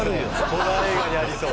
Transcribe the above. ホラー映画にありそう。